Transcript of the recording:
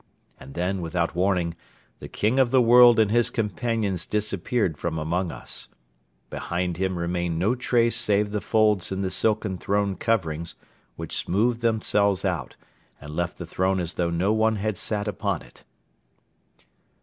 And then, without warning, the King of the World and his companions disappeared from among us. Behind him remained no trace save the folds in the silken throne coverings which smoothed themselves out and left the throne as though no one had sat upon it."